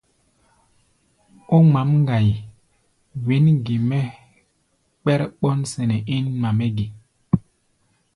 Ó ŋmǎʼm ŋgai, wɛ̌n ge mɛ́ kpɛ́r ɓɔ́nsɛnɛ́ ín ŋma-mɛ́ ge?